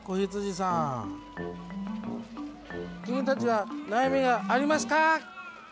君たちは悩みがありますか？